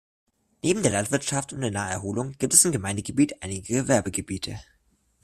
Neben der Landwirtschaft und der Naherholung gibt es im Gemeindegebiet einige Gewerbebetriebe.